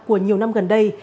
của nhiều năm gần đây